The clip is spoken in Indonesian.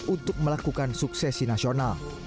untuk melakukan suksesi nasional